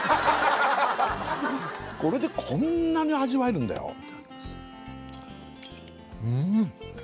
これでこんなに味わえるんだようん！